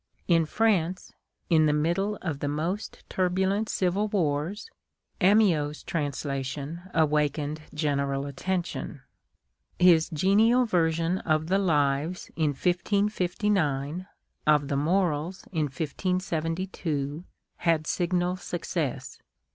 In France, in the middle of the most turbulent civil wars, Amyot's translation awakened general attention. His genial version of the " Lives " in 1559, of the " Morals " in 1572, had signal success.